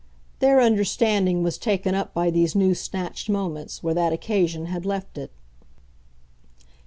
Their understanding was taken up by these new snatched moments where that occasion had left it.